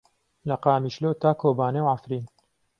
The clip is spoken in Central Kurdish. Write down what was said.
لە قامیشلۆ تا کۆبانێ و عەفرین.